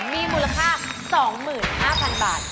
มีมูลค่า๒๕๐๐๐บาท